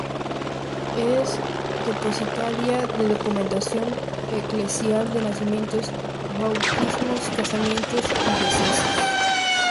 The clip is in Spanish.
Es depositaria de documentación eclesial de nacimientos, bautismos, casamientos y decesos.